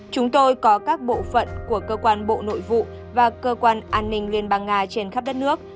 chúng tôi có các bộ phận của cơ quan bộ nội vụ và cơ quan an ninh liên bang nga trên khắp đất nước